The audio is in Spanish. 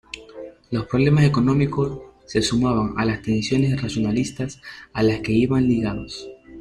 Los problemas económicos se sumaban a las tensiones nacionalistas, a las que iban ligados.